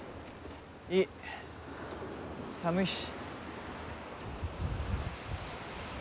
いい寒いし。